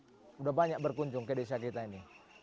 sudah banyak berkunjung ke desa kita ini